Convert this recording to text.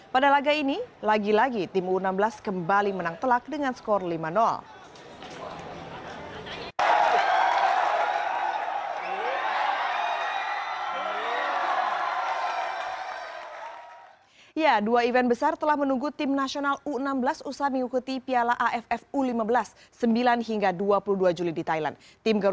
pada laga ini lagi lagi tim u enam belas kembali menang telak dengan skor lima